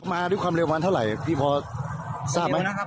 มาด้วยความเร็ววันเท่าไหร่พี่พอทราบไหมนะครับ